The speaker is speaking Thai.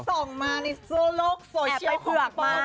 แอบไปส่งมาในโลกโซเชียล